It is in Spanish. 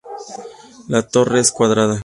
La torre es cuadrada.